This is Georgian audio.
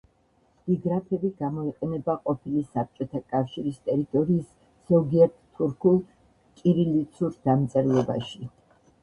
დიგრაფები გამოიყენება ყოფილი საბჭოთა კავშირის ტერიტორიის ზოგიერთ თურქულ კირილიცურ დამწერლობაში.